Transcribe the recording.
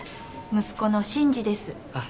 息子の真司ですあっ